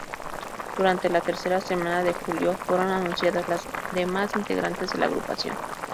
Durante la tercera semana de julio, fueron anunciadas las demás integrantes de la agrupación.